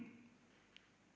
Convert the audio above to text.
dan juga untuk menjaga kemampuan